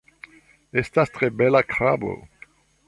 Estas tre bela krabo